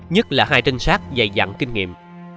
nhất là hai trinh sát dạy dặn kinh nghiệm